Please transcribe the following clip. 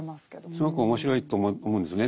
すごく面白いと思うんですね。